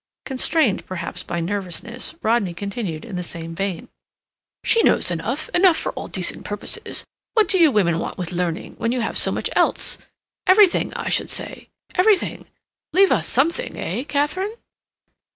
Constrained, perhaps, by nervousness, Rodney continued in the same vein. "She knows enough—enough for all decent purposes. What do you women want with learning, when you have so much else—everything, I should say—everything. Leave us something, eh, Katharine?"